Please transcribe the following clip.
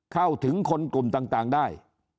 เข้าถึงคนกลุ่มต่างได้